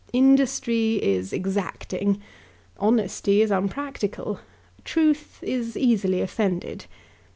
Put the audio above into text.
Industry is exacting. Honesty is unpractical. Truth is easily offended.